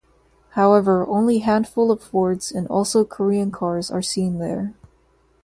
However, only handful of Fords and also Korean cars are seen there.